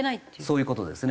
そういう事ですね。